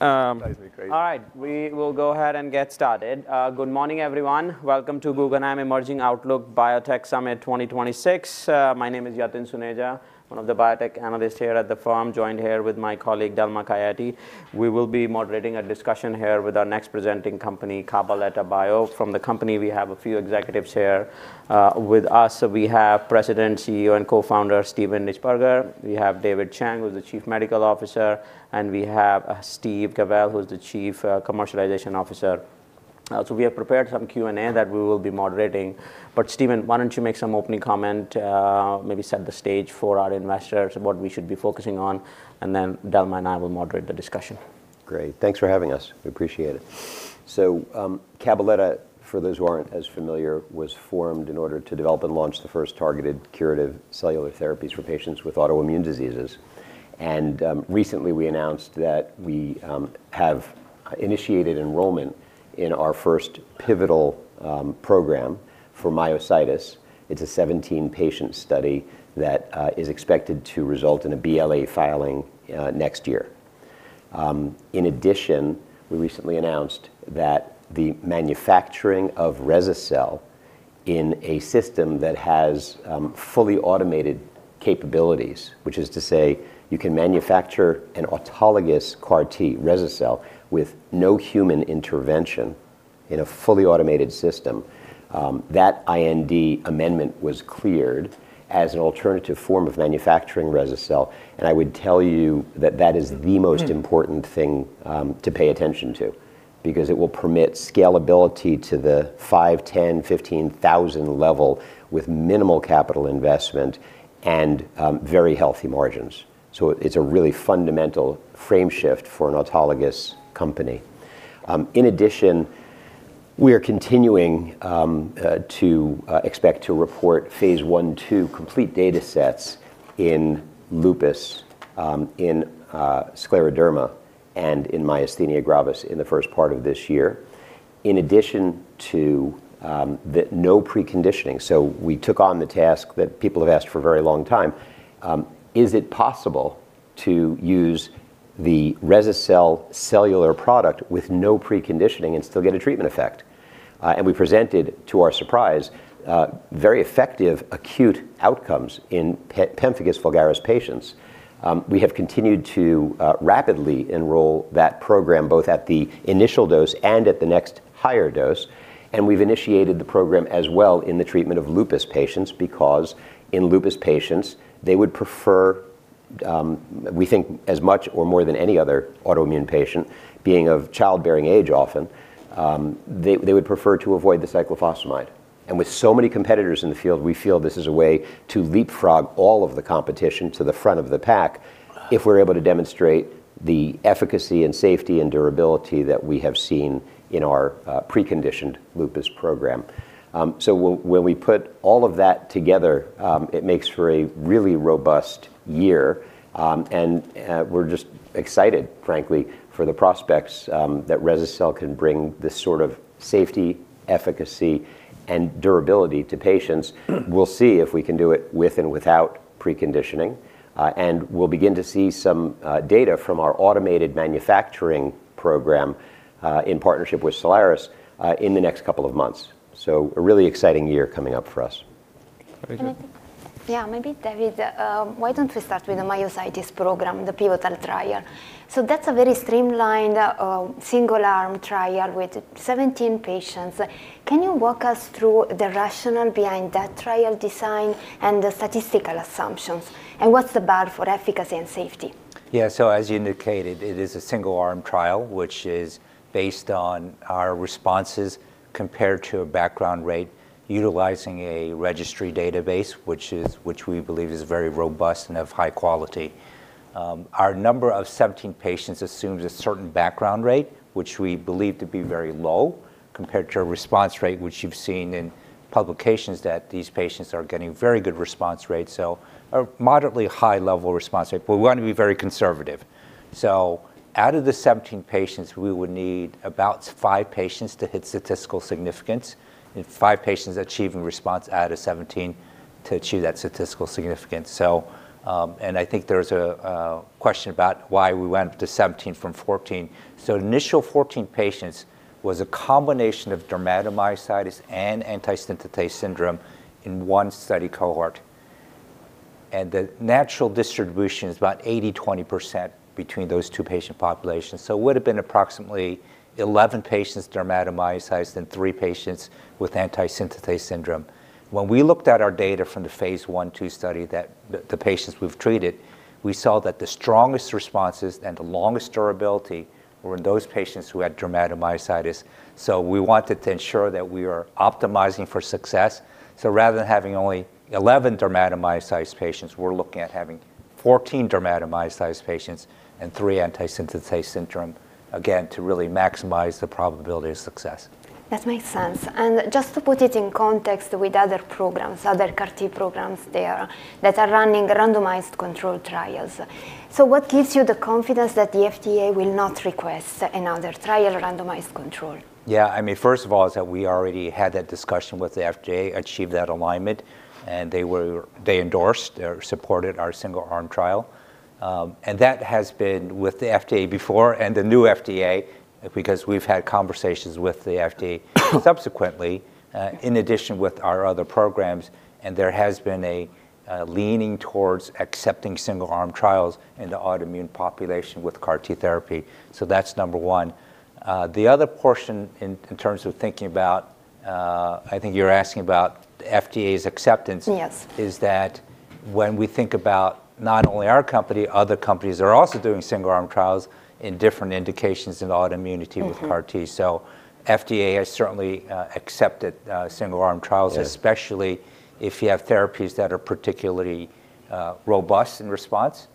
All right, we will go ahead and get started. Good morning, everyone. Welcome to Guggenheim Emerging Outlook Biotech Summit 2026. My name is Yatin Suneja, one of the biotech analysts here at the firm, joined here with my colleague, Dalma Caiati. We will be moderating a discussion here with our next presenting company, Cabaletta Bio. From the company, we have a few executives here with us. We have President, CEO, and Co-founder, Steven Nichtberger; we have David Chang, who's the Chief Medical Officer; and we have Steve Gavel, who's the Chief Commercial Officer. So we have prepared some Q&A that we will be moderating. But Steven, why don't you make some opening comment, maybe set the stage for our investors, what we should be focusing on, and then Dalma and I will moderate the discussion. Great. Thanks for having us. We appreciate it. So, Cabaletta, for those who aren't as familiar, was formed in order to develop and launch the first targeted curative cellular therapies for patients with autoimmune diseases. And, recently, we announced that we have initiated enrollment in our first pivotal program for myositis. It's a 17-patient study that is expected to result in a BLA filing next year. In addition, we recently announced that the manufacturing of rese-celin a system that has fully automated capabilities, which is to say, you can manufacture an autologous CAR T rese-cel with no human intervention in a fully automated system. That IND amendment was cleared as an alternative form of manufacturing rese-cel, and I would tell you that that is the most- Mm... important thing, to pay attention to, because it will permit scalability to the 5, 10, 15 thousand level with minimal capital investment and, very healthy margins. So it's a really fundamental frame shift for an autologous company. In addition, we are continuing to expect to report Phase 1/2 complete data sets in lupus, in scleroderma, and in myasthenia gravis in the first part of this year. In addition to the no preconditioning, so we took on the task that people have asked for a very long time: Is it possible to use the rese-cel cellular product with no preconditioning and still get a treatment effect? And we presented, to our surprise, very effective acute outcomes in pemphigus vulgaris patients. We have continued to rapidly enroll that program, both at the initial dose and at the next higher dose, and we've initiated the program as well in the treatment of lupus patients, because in lupus patients, they would prefer, we think as much or more than any other autoimmune patient, being of childbearing age often, they would prefer to avoid the cyclophosphamide. And with so many competitors in the field, we feel this is a way to leapfrog all of the competition to the front of the pack if we're able to demonstrate the efficacy and safety and durability that we have seen in our preconditioned lupus program. So when we put all of that together, it makes for a really robust year. We're just excited, frankly, for the prospects that rese-cel can bring this sort of safety, efficacy, and durability to patients. We'll see if we can do it with and without preconditioning, and we'll begin to see some data from our automated manufacturing program in partnership with Cellares in the next couple of months. A really exciting year coming up for us. Very good. Yeah, maybe, David, why don't we start with the myositis program, the pivotal trial? So that's a very streamlined single-arm trial with 17 patients. Can you walk us through the rationale behind that trial design and the statistical assumptions, and what's the bar for efficacy and safety? Yeah. So as you indicated, it is a single-arm trial, which is based on our responses compared to a background rate, utilizing a registry database, which we believe is very robust and of high quality. Our number of 17 patients assumes a certain background rate, which we believe to be very low compared to a response rate, which you've seen in publications, that these patients are getting very good response rates, so a moderately high level response rate. But we want to be very conservative. So out of the 17 patients, we would need about 5 patients to hit statistical significance, and 5 patients achieving response out of 17 to achieve that statistical significance. So, and I think there's a question about why we went to 17 from 14. So initial 14 patients was a combination of dermatomyositis and antisynthetase syndrome in one study cohort, and the natural distribution is about 80/20% between those two patient populations. So it would have been approximately 11 patients, dermatomyositis, and 3 patients with Aantisynthetase syndrome. When we looked at our data from the phase 1, 2 study, the patients we've treated, we saw that the strongest responses and the longest durability were in those patients who had Ddermatomyositis, so we wanted to ensure that we are optimizing for success. So rather than having only 11 dermatomyositis patients, we're looking at having 14 dermatomyositis patients and 3 antisynthetase syndrome, again, to really maximize the probability of success. That makes sense. Just to put it in context with other programs, other CAR T programs there, that are running randomized controlled trials. What gives you the confidence that the FDA will not request another trial, randomized controlled? Yeah, I mean, first of all, is that we already had that discussion with the FDA, achieved that alignment, and they were- they endorsed or supported our single-arm trial. And that has been with the FDA before and the new FDA, because we've had conversations with the FDA subsequently, in addition with our other programs, and there has been a leaning towards accepting single-arm trials in the autoimmune population with CAR-T therapy. So that's number one.... The other portion in terms of thinking about, I think you're asking about the FDA's acceptance- Yes. Is that when we think about not only our company, other companies are also doing single-arm trials in different indications in autoimmunity with CAR T. Mm-hmm. FDA has certainly accepted single-arm trials- Yeah - especially if you have therapies that are particularly, robust in response.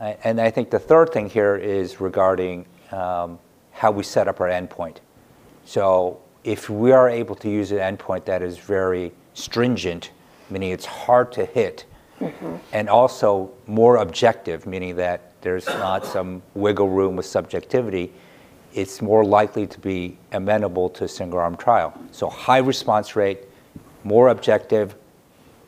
And I think the third thing here is regarding, how we set up our endpoint. So if we are able to use an endpoint that is very stringent, meaning it's hard to hit- Mm-hmm... and also more objective, meaning that there's not some wiggle room with subjectivity, it's more likely to be amenable to a single-arm trial. So high response rate, more objective,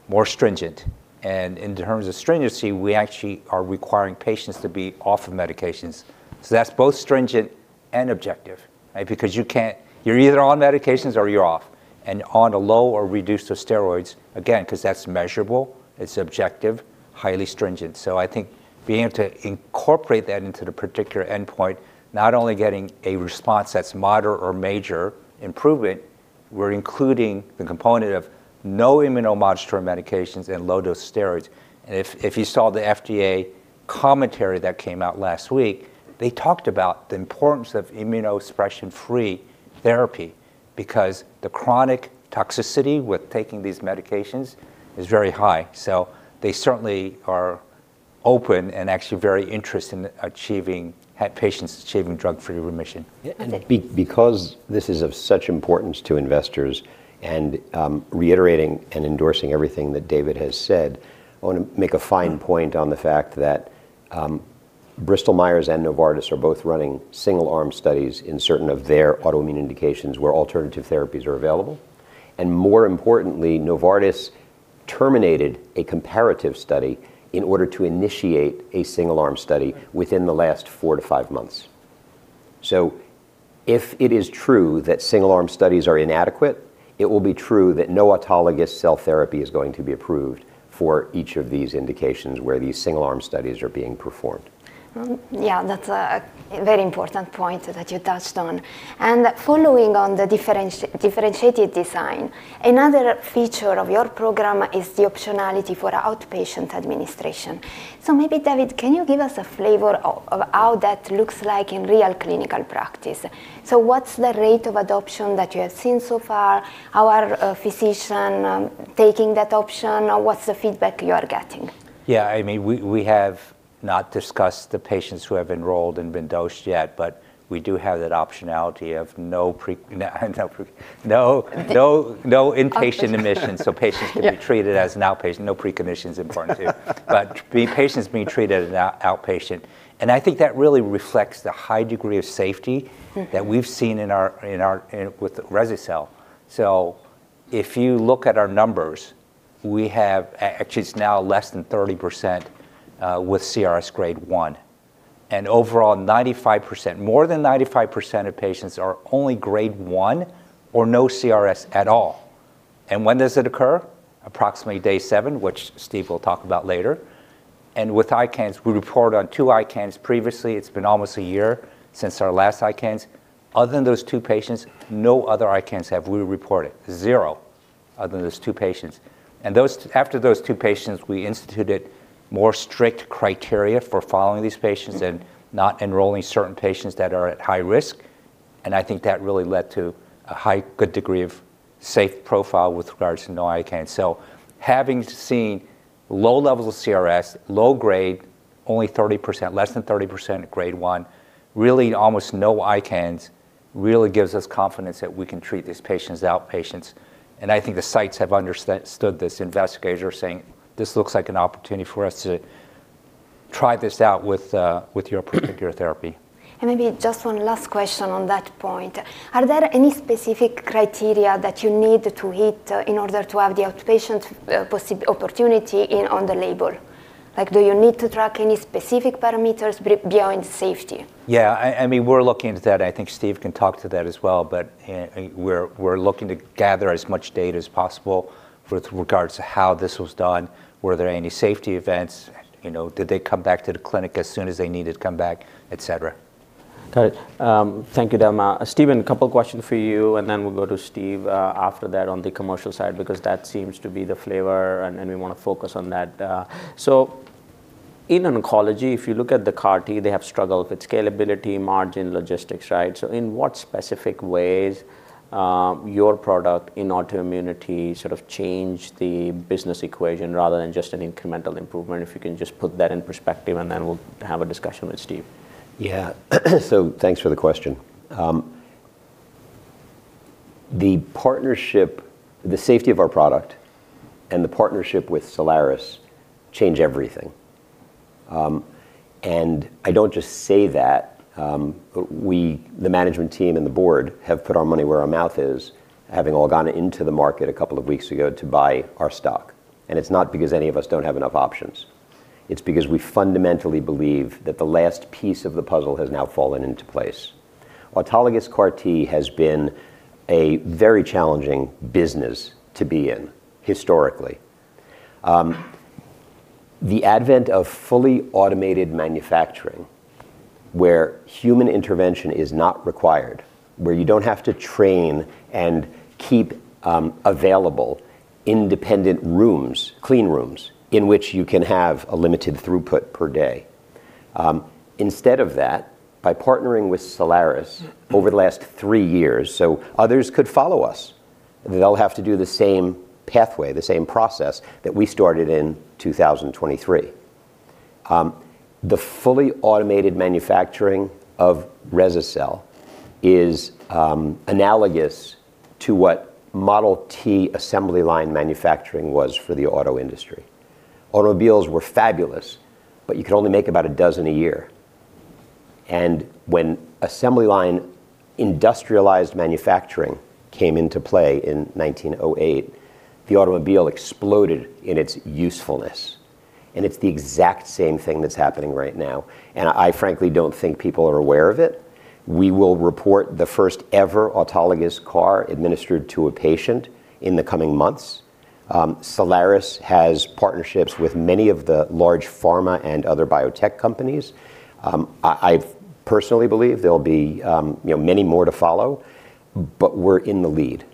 more stringent, and in terms of stringency, we actually are requiring patients to be off of medications. So that's both stringent and objective, right? Because you can't—you're either on medications or you're off, and on a low or reduced to steroids, again, because that's measurable, it's objective, highly stringent. So I think being able to incorporate that into the particular endpoint, not only getting a response that's moderate or major improvement, we're including the component of no immunomodulatory medications and low-dose steroids. And if, if you saw the FDA commentary that came out last week, they talked about the importance of immunosuppression-free therapy because the chronic toxicity with taking these medications is very high. They certainly are open and actually very interested in patients achieving drug-free remission. Okay. Yeah, because this is of such importance to investors, and, reiterating and endorsing everything that David has said, I want to make a fine point on the fact that, Bristol Myers and Novartis are both running single-arm studies in certain of their autoimmune indications where alternative therapies are available. And more importantly, Novartis terminated a comparative study in order to initiate a single-arm study within the last 4-5 months. So if it is true that single-arm studies are inadequate, it will be true that no autologous cell therapy is going to be approved for each of these indications where these single-arm studies are being performed. Yeah, that's a very important point that you touched on. Following on the differentiated design, another feature of your program is the optionality for outpatient administration. So maybe, David, can you give us a flavor of how that looks like in real clinical practice? So what's the rate of adoption that you have seen so far? How are physicians taking that option, or what's the feedback you are getting? Yeah, I mean, we have not discussed the patients who have enrolled and been dosed yet, but we do have that optionality of no inpatient admission. Outpatient, yeah. So patients can be treated as an outpatient. No preconditioning important, too. But the patients being treated as outpatient, and I think that really reflects the high degree of safety- Mm-hmm... that we've seen in our with rese-cel. So if you look at our numbers, we have actually, it's now less than 30%, with CRS grade one. And overall, 95%, more than 95% of patients are only grade one or no CRS at all. And when does it occur? Approximately day 7, which Steve will talk about later. And with ICANS, we reported on two ICANS previously. It's been almost a year since our last ICANS. Other than those two patients, no other ICANS have we reported. Zero, other than those two patients. And those after those two patients, we instituted more strict criteria for following these patients. Mm-hmm... and not enrolling certain patients that are at high risk, and I think that really led to a high, good degree of safe profile with regards to no ICANS. So having seen low levels of CRS, low grade, only 30%, less than 30% of grade one, really almost no ICANS, really gives us confidence that we can treat these patients as outpatients. And I think the sites have understood this. Investigators are saying, "This looks like an opportunity for us to try this out with your therapy. Maybe just one last question on that point. Are there any specific criteria that you need to hit in order to have the outpatient opportunity in on the label? Like, do you need to track any specific parameters beyond safety? Yeah, I mean, we're looking into that. I think Steve can talk to that as well, but we're looking to gather as much data as possible with regards to how this was done. Were there any safety events? You know, did they come back to the clinic as soon as they needed to come back, et cetera. Got it. Thank you, Dharma. Steven, a couple of questions for you, and then we'll go to Steve, after that on the commercial side, because that seems to be the flavor, and, and we want to focus on that. So in oncology, if you look at the CAR T, they have struggled with scalability, margin, logistics, right? So in what specific ways, your product in autoimmunity sort of change the business equation rather than just an incremental improvement? If you can just put that in perspective, and then we'll have a discussion with Steve. Yeah. So thanks for the question. The partnership, the safety of our product and the partnership with Cellares change everything. And I don't just say that, we, the management team and the board, have put our money where our mouth is, having all gone into the market a couple of weeks ago to buy our stock. And it's not because any of us don't have enough options. It's because we fundamentally believe that the last piece of the puzzle has now fallen into place. Autologous CAR T has been a very challenging business to be in, historically. The advent of fully automated manufacturing, where human intervention is not required, where you don't have to train and keep available independent rooms, clean rooms, in which you can have a limited throughput per day. Instead of that, by partnering with Cellares over the last three years, so others could follow us, they'll have to do the same pathway, the same process that we started in 2023. The fully automated manufacturing of rese-cel is analogous to what Model T assembly line manufacturing was for the auto industry. Automobiles were fabulous, but you could only make about a dozen a year. When assembly line industrialized manufacturing came into play in 1908, the automobile exploded in its usefulness, and it's the exact same thing that's happening right now, and I frankly don't think people are aware of it. We will report the first ever autologous CAR administered to a patient in the coming months. Cellares has partnerships with many of the large pharma and other biotech companies. I personally believe there'll be, you know, many more to follow, but we're in the lead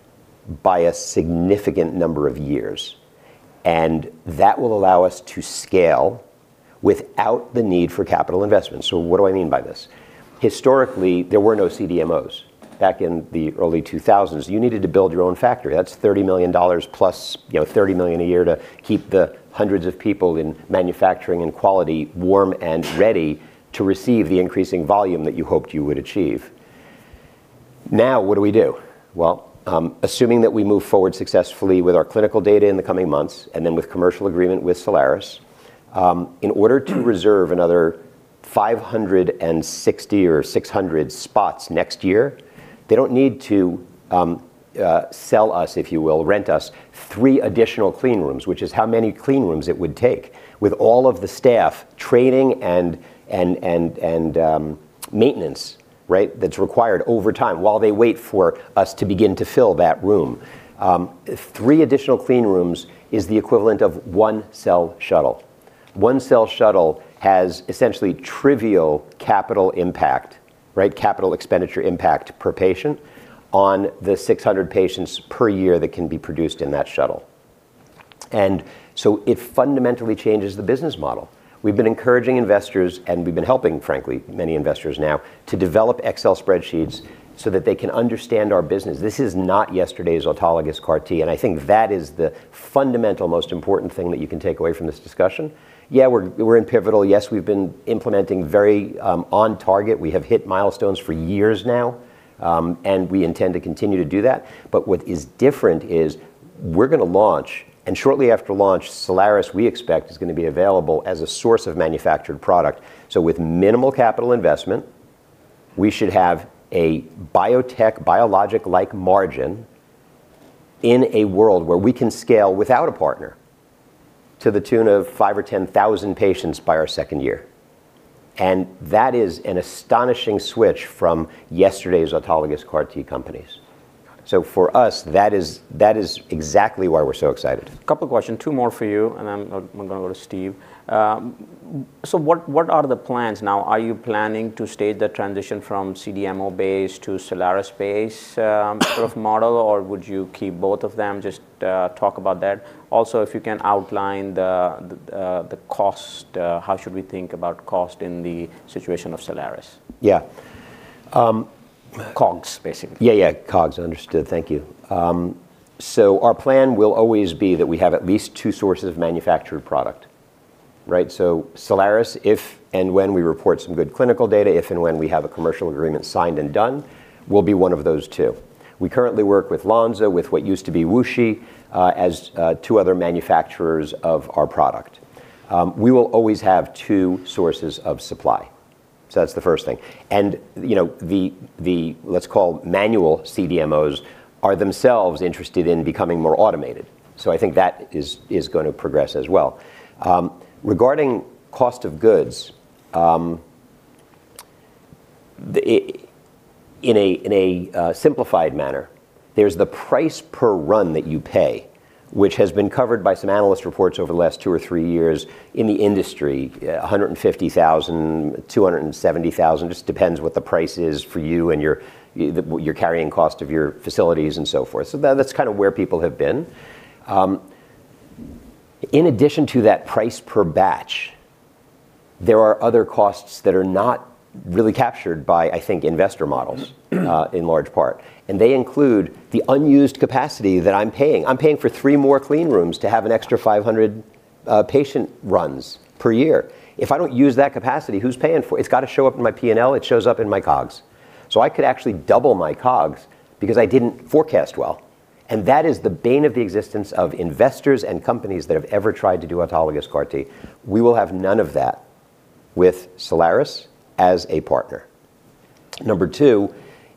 by a significant number of years, and that will allow us to scale without the need for capital investment. So what do I mean by this? Historically, there were no CDMOs back in the early 2000s. You needed to build your own factory. That's $30 million plus, you know, $30 million a year to keep the hundreds of people in manufacturing and quality warm and ready to receive the increasing volume that you hoped you would achieve. Now, what do we do? Well, assuming that we move forward successfully with our clinical data in the coming months, and then with commercial agreement with Cellares, in order to reserve another 560 or 600 spots next year, they don't need to, sell us, if you will, rent us three additional clean rooms, which is how many clean rooms it would take, with all of the staff training and maintenance, right? That's required over time while they wait for us to begin to fill that room. Three additional clean rooms is the equivalent of one Cell shuttle. One Cell Shuttle has essentially trivial capital impact, right, capital expenditure impact per patient on the 600 patients per year that can be produced in that shuttle. And so it fundamentally changes the business model. We've been encouraging investors, and we've been helping, frankly, many investors now to develop Excel spreadsheets so that they can understand our business. This is not yesterday's autologous CAR T, and I think that is the fundamental, most important thing that you can take away from this discussion. Yeah, we're, we're in pivotal. Yes, we've been implementing very, on target. We have hit milestones for years now, and we intend to continue to do that. But what is different is we're gonna launch, and shortly after launch, Cellares, we expect, is gonna be available as a source of manufactured product. So with minimal capital investment, we should have a biotech, biologic-like margin in a world where we can scale without a partner to the tune of 5 or 10,000 patients by our second year. That is an astonishing switch from yesterday's autologous CAR T companies. For us, that is, that is exactly why we're so excited. Couple questions, two more for you, and then I'm gonna go to Steve. So what are the plans now? Are you planning to stage the transition from CDMO base to Cellares base sort of model, or would you keep both of them? Just talk about that. Also, if you can outline the cost... How should we think about cost in the situation of Cellares? Yeah, um- COGS, basically. Yeah, yeah, COGS. Understood. Thank you. So our plan will always be that we have at least two sources of manufactured product, right? So Cellares, if and when we report some good clinical data, if and when we have a commercial agreement signed and done, will be one of those two. We currently work with Lonza, with what used to be WuXi, as two other manufacturers of our product. We will always have two sources of supply. So that's the first thing. And, you know, let's call manual CDMOs, are themselves interested in becoming more automated. So I think that is gonna progress as well. Regarding cost of goods, in a simplified manner, there's the price per run that you pay, which has been covered by some analyst reports over the last two or three years in the industry, $150,000-$270,000. Just depends what the price is for you and your carrying cost of your facilities and so forth. So that's kind of where people have been. In addition to that price per batch, there are other costs that are not really captured by, I think, investor models in large part, and they include the unused capacity that I'm paying. I'm paying for three more clean rooms to have an extra 500 patient runs per year. If I don't use that capacity, who's paying for it? It's got to show up in my PNL. It shows up in my COGS. So I could actually double my COGS because I didn't forecast well, and that is the bane of the existence of investors and companies that have ever tried to do autologous CAR T. We will have none of that with Cellares as a partner. Number two,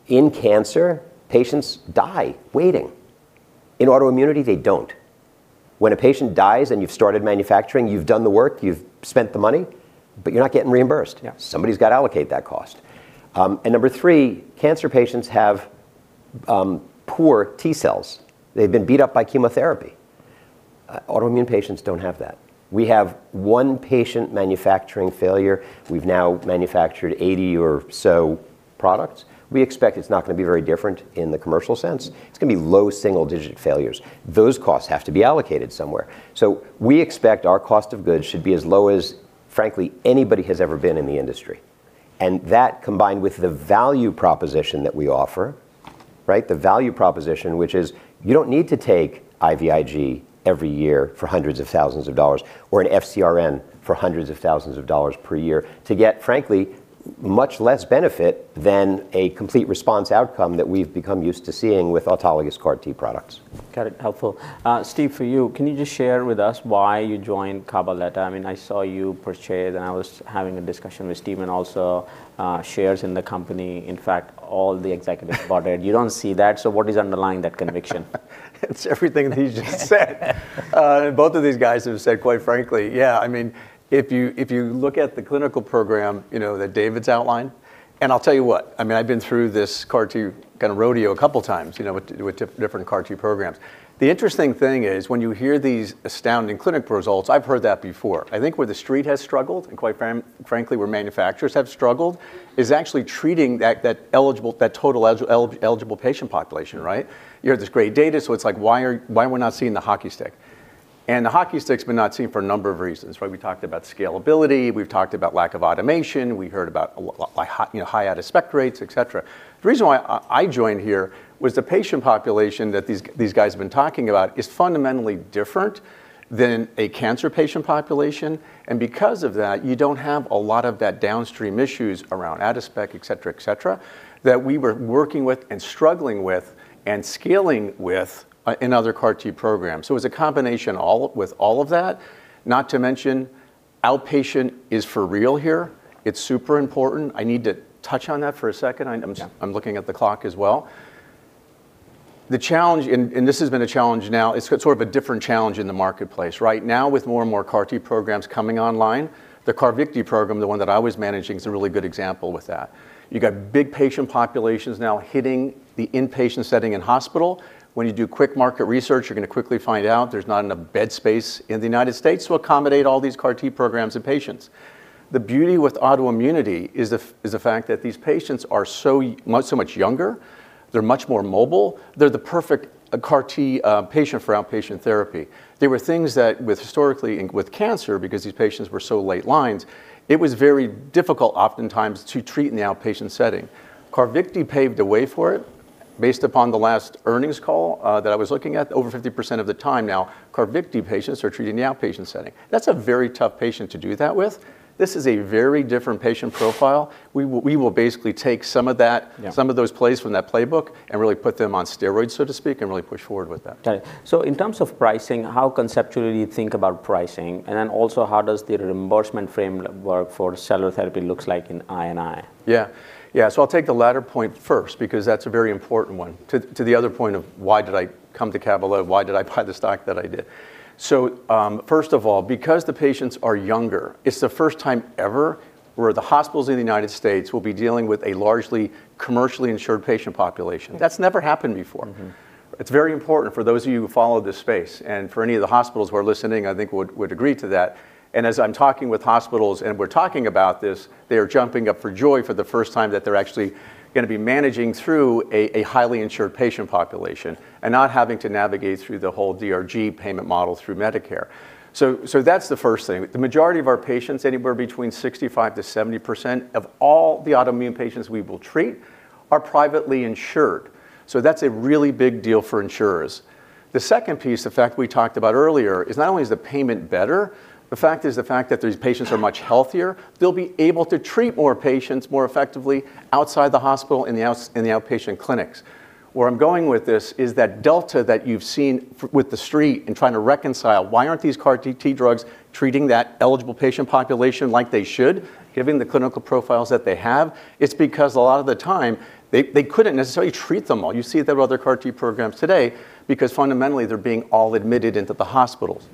in cancer, patients die waiting. In autoimmunity, they don't. When a patient dies and you've started manufacturing, you've done the work, you've spent the money, but you're not getting reimbursed. Yeah. Somebody's got to allocate that cost. And number three, cancer patients have poor T cells. They've been beat up by chemotherapy. Autoimmune patients don't have that. We have one patient manufacturing failure. We've now manufactured 80 or so products. We expect it's not gonna be very different in the commercial sense. It's gonna be low single-digit failures. Those costs have to be allocated somewhere. So we expect our cost of goods should be as low as, frankly, anybody has ever been in the industry, and that, combined with the value proposition that we offer, right? The value proposition, which is you don't need to take IVIG every year for hundreds of thousands of dollars or an FcRn for hundreds of thousands of dollars per year to get, frankly, much less benefit than a complete response outcome that we've become used to seeing with autologous CAR T products. Got it. Helpful. Steve, for you, can you just share with us why you joined Cabaletta? I mean, I saw you purchased, and I was having a discussion with Steven, also, shares in the company. In fact, all the executives bought it. You don't see that, so what is underlying that conviction? It's everything that he just said. Both of these guys have said, quite frankly, yeah, I mean, if you look at the clinical program, you know, that David's outlined. And I'll tell you what, I mean, I've been through this CAR-T kinda rodeo a couple of times, you know, with different CAR-T programs. The interesting thing is, when you hear these astounding clinical results, I've heard that before. I think where the Street has struggled, and quite frankly, where manufacturers have struggled, is actually treating that total eligible patient population, right? You have this great data, so it's like, why we're not seeing the hockey stick? And the hockey stick's been not seen for a number of reasons, right? We talked about scalability, we've talked about lack of automation, we heard about high out-of-spec rates, et cetera. The reason why I joined here was the patient population that these guys have been talking about is fundamentally different than a cancer patient population, and because of that, you don't have a lot of that downstream issues around out-of-spec, et cetera, et cetera, that we were working with and struggling with and scaling with in other CAR-T programs. So it was a combination, all, with all of that. Not to mention, outpatient is for real here. It's super important. I need to touch on that for a second. I'm- Yeah... I'm looking at the clock as well. The challenge, and this has been a challenge now, it's sort of a different challenge in the marketplace, right? Now, with more and more CAR-T programs coming online, the CARVYKTI program, the one that I was managing, is a really good example with that. You got big patient populations now hitting the inpatient setting in hospital. When you do quick market research, you're gonna quickly find out there's not enough bed space in the United States to accommodate all these CAR-T programs and patients. The beauty with autoimmunity is the fact that these patients are so much younger, they're much more mobile. They're the perfect CAR-T patient for outpatient therapy. There were things that with historically with cancer, because these patients were so late lines, it was very difficult oftentimes to treat in the outpatient setting. CARVYKTI paved the way for it. Based upon the last earnings call that I was looking at, over 50% of the time now, CARVYKTI patients are treated in the outpatient setting. That's a very tough patient to do that with. This is a very different patient profile. We will basically take some of that- Yeah... some of those plays from that playbook and really put them on steroids, so to speak, and really push forward with that. Got it. So in terms of pricing, how conceptually you think about pricing, and then also, how does the reimbursement framework for cell therapy looks like in India? Yeah. Yeah, so I'll take the latter point first, because that's a very important one. To the other point of why did I come to Cabaletta, why did I buy the stock that I did? So, first of all, because the patients are younger, it's the first time ever where the hospitals in the United States will be dealing with a largely commercially insured patient population. That's never happened before. Mm-hmm. It's very important for those of you who follow this space, and for any of the hospitals who are listening, I think would agree to that. And as I'm talking with hospitals, and we're talking about this, they are jumping up for joy for the first time that they're actually gonna be managing through a highly insured patient population and not having to navigate through the whole DRG payment model through Medicare. So that's the first thing. The majority of our patients, anywhere between 65%-70% of all the autoimmune patients we will treat, are privately insured, so that's a really big deal for insurers. The second piece, the fact we talked about earlier, is not only is the payment better, the fact is the fact that these patients are much healthier, they'll be able to treat more patients more effectively outside the hospital in the outpatient clinics. Where I'm going with this is that delta that you've seen from the Street in trying to reconcile, why aren't these CAR-T drugs treating that eligible patient population like they should, given the clinical profiles that they have? It's because a lot of the time, they couldn't necessarily treat them all. You see it with other CAR-T programs today, because fundamentally, they're being all admitted into the hospitals.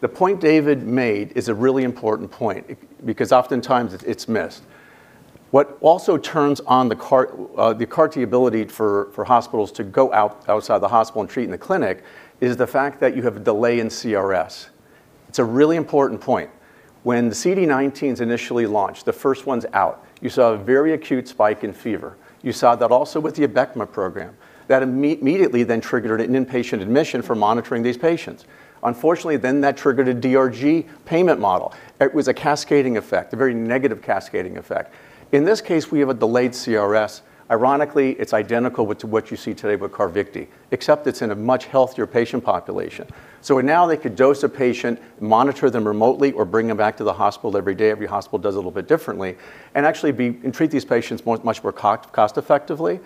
The point David made is a really important point, because oftentimes it's missed. What also turns on the CAR, the CAR-T ability for hospitals to go outside the hospital and treat in the clinic, is the fact that you have a delay in CRS. It's a really important point. When the CD19s initially launched, the first ones out, you saw a very acute spike in fever. You saw that also with the Abecma program. That immediately then triggered an inpatient admission for monitoring these patients. Unfortunately, then that triggered a DRG payment model. It was a cascading effect, a very negative cascading effect. In this case, we have a delayed CRS. Ironically, it's identical with what you see today with CARVYKTI, except it's in a much healthier patient population. So now they could dose a patient, monitor them remotely, or bring them back to the hospital every day, every hospital does a little bit differently, and actually be, and treat these patients more, much more cost effectively,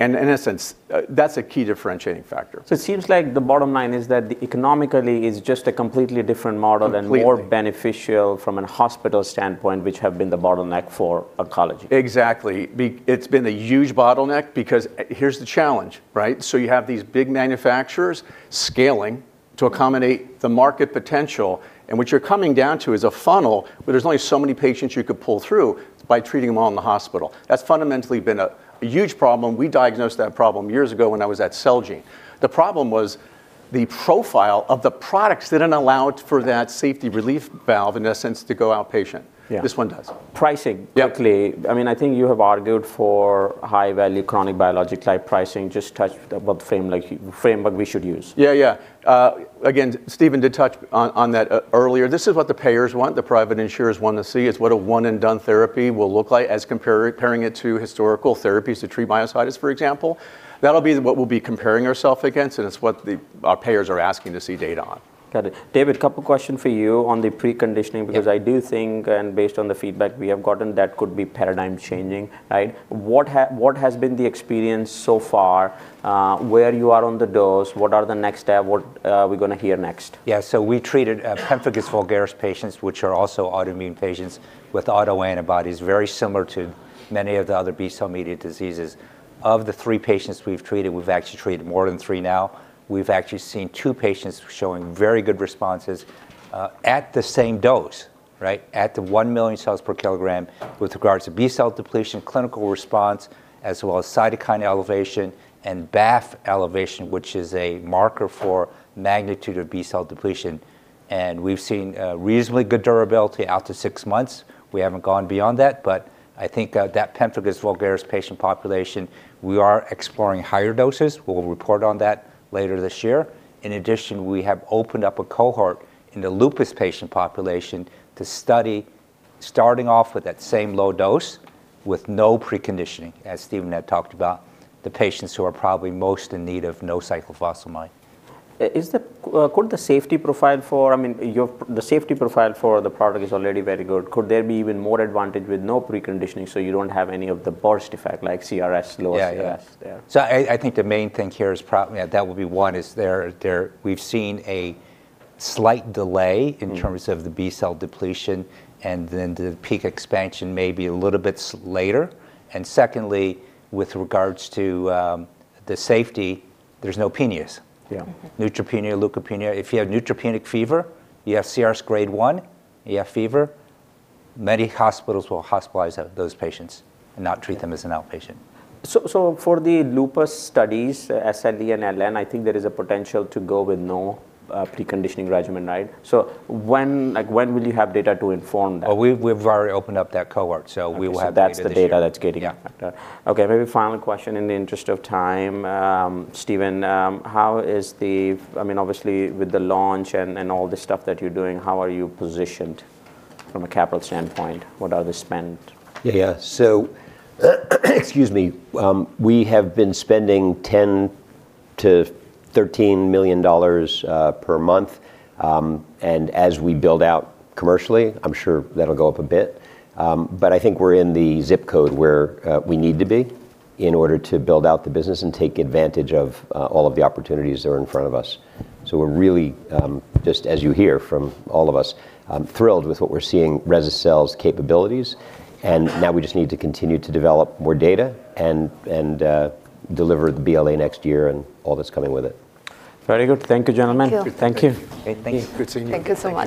and in a sense, that's a key differentiating factor. It seems like the bottom line is that economically, it's just a completely different model. Completely... and more beneficial from a hospital standpoint, which have been the bottleneck for oncology. Exactly. It's been a huge bottleneck because, here's the challenge, right? So you have these big manufacturers scaling-... to accommodate the market potential, and what you're coming down to is a funnel, where there's only so many patients you could pull through by treating them all in the hospital. That's fundamentally been a huge problem. We diagnosed that problem years ago when I was at Celgene. The problem was the profile of the products didn't allow for that safety relief valve, in essence, to go outpatient. Yeah. This one does. Pricing- Yeah Quickly. I mean, I think you have argued for high-value chronic biologic-type pricing. Just touch about the frame, like, frame what we should use. Yeah, yeah. Again, Steven did touch on that earlier. This is what the payers want, the private insurers want to see, is what a one-and-done therapy will look like as comparing it to historical therapies to treat myositis, for example. That'll be what we'll be comparing ourselves against, and it's what the, our payers are asking to see data on. Got it. David, couple question for you on the preconditioning- Yeah... because I do think, and based on the feedback we have gotten, that could be paradigm changing, right? What has been the experience so far, where you are on the dose? What are the next step? What are we gonna hear next? Yeah, so we treated pemphigus vulgaris patients, which are also autoimmune patients, with autoantibodies, very similar to many of the other B-cell-mediated diseases. Of the 3 patients we've treated, we've actually treated more than 3 now, we've actually seen 2 patients showing very good responses at the same dose, right? At the 1 million cells per kilogram with regards to B-cell depletion, clinical response, as well as cytokine elevation and BAFF elevation, which is a marker for magnitude of B-cell depletion. And we've seen reasonably good durability out to 6 months. We haven't gone beyond that, but I think that pemphigus vulgaris patient population, we are exploring higher doses. We'll report on that later this year. In addition, we have opened up a cohort in the lupus patient population to study, starting off with that same low dose, with no preconditioning, as Steven had talked about, the patients who are probably most in need of no cyclophosphamide. I mean, the safety profile for the product is already very good. Could there be even more advantage with no preconditioning, so you don't have any of the burst effect, like CRS, low CRS? Yeah, yeah. Yeah. So I think the main thing here is yeah, that would be one, is there... We've seen a slight delay- Mm... in terms of the B-cell depletion, and then the peak expansion may be a little bit later. And secondly, with regards to the safety, there's no cytopenias. Yeah. Neutropenia, leukopenia. If you have neutropenic fever, you have CRS grade one, you have fever, many hospitals will hospitalize out those patients and not treat them as an outpatient. So for the lupus studies, SLE and LN, I think there is a potential to go with no preconditioning regimen, right? So when, like, will you have data to inform that? Oh, we've already opened up that cohort, so we will have data this year. Okay, so that's the data that's getting- Yeah. Okay, maybe final question in the interest of time. Steven, how is, I mean, obviously, with the launch and, and all the stuff that you're doing, how are you positioned from a capital standpoint? What are the spend? Yeah, so, excuse me. We have been spending $10 million-$13 million per month. And as we build out commercially, I'm sure that'll go up a bit. But I think we're in the zip code where we need to be in order to build out the business and take advantage of all of the opportunities that are in front of us. So we're really, just as you hear from all of us, I'm thrilled with what we're seeing rese-cel's capabilities, and now we just need to continue to develop more data and deliver the BLA next year and all that's coming with it. Very good. Thank you, gentlemen. Thank you. Thank you. Okay, thank you. Good seeing you. Thank you so much.